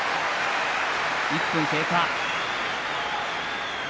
１分経過。